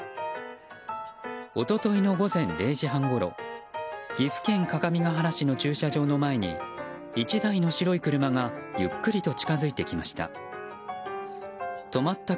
一昨日の午前０時半ごろ岐阜県各務原市の駐車場の前に１台の白い車がゆっくりと近づいてきました。